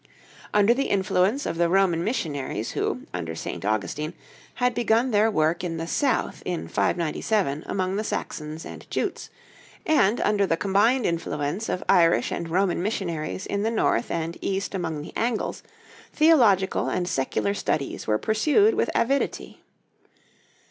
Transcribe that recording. Under the influence of the Roman missionaries who, under St. Augustine, had begun their work in the south in 597 among the Saxons and Jutes, and under the combined influence of Irish and Roman missionaries in the north and east among the Angles, theological and secular studies were pursued with avidity.